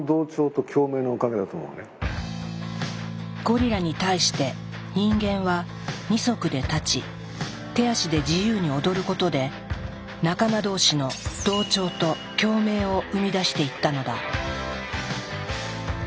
ゴリラに対して人間は２足で立ち手足で自由に踊ることで仲間同士の同調と共鳴を生み出していったのだ。